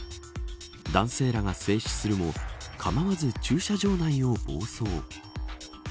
男性らが制止するも構わず駐車場内を暴走。